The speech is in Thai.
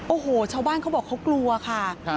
โอ้โหชาวบ้านเขาบอกเขากลัวค่ะ